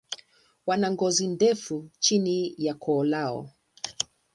Wana ngozi ndefu chini ya koo lao.